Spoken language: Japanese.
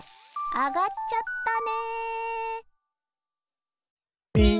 あがっちゃったね。